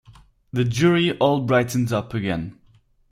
The jury all brightened up again.